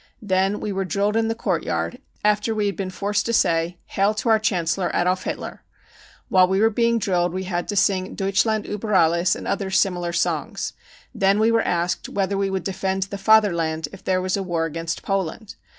Then we were drilled in the courtyard, after we had been forced to say, c Hail to our Chancellor, Adolf Hitler. 9 While we were being drilled we had to sing Deutschland uber AUes and other similar songs. Then we were asked whether we would defend the Fatherland if there was a war against Poland.